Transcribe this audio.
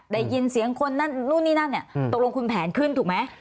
ได้ยินเสียงคนนั่นนู่นนี่นั่นเนี่ยตกลงคุณแผนขึ้นถูกไหม